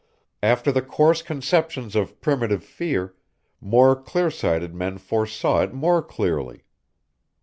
After the coarse conceptions of primitive fear, more clear sighted men foresaw it more clearly.